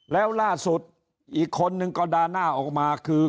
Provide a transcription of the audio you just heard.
แล้วล่าสุดอีกคนนึงก็ด่าหน้าออกมาคือ